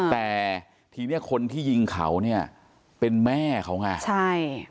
แต่ทีนี้คนที่ยิงเขาเนี่ยเป็นแม่เขาไงใช่